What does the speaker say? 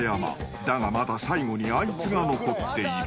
［だがまだ最後にあいつが残っている］